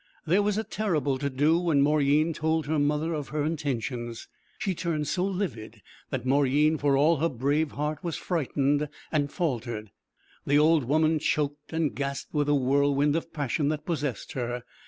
There was a terrible to do when Mauryeen told her mother of her intentions. She turned so livid that Mauryeen for all her brave heart was frightened, and faltered. The old woman choked and gasped with the whirlwind of passion that possessed her.